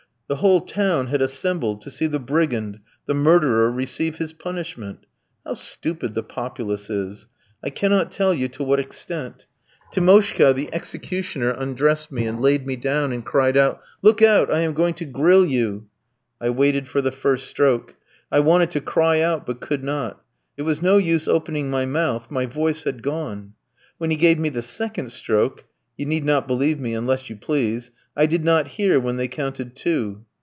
The whole town had assembled to see the brigand, the murderer, receive his punishment. How stupid the populace is! I cannot tell you to what extent. Timoshka the executioner undressed me and laid me down and cried out, 'Look out, I am going to grill you!' I waited for the first stroke. I wanted to cry out, but could not. It was no use opening my mouth, my voice had gone. When he gave me the second stroke you need not believe me unless you please I did not hear when they counted two.